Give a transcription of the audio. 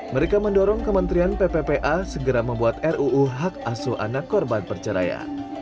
mereka mendorong kementerian pppa segera membuat ruu hak asuh anak korban perceraian